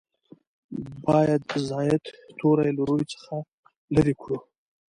باید زاید توري له روي څخه لرې کړو.